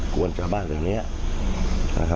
กวนจากบ้านจากนี้นะครับ